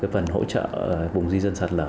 phần hỗ trợ bùng di dân sạt lửa